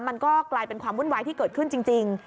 มันก็กลายเป็นความวุ่นวายที่เกิดขึ้นจริง